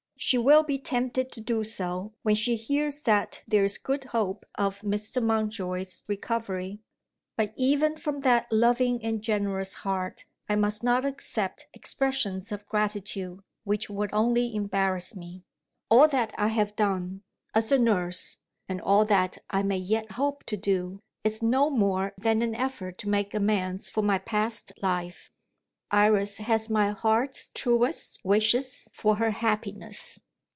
She will be tempted to do so, when she hears that there is good hope of Mr. Mountjoy's recovery. But, even from that loving and generous heart, I must not accept expressions of gratitude which would only embarrass me. All that I have done, as a nurse, and all that I may yet hope to do, is no more than an effort to make amends for my past life. Iris has my heart's truest wishes for her happiness.